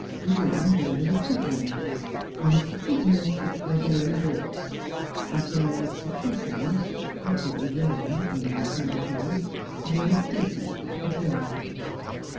Within there was a quadrangle, in which the prisoners took their daily walks, and where executions — happily rare in High clere — were decently performed.